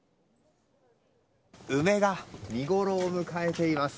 梅が見ごろを迎えています。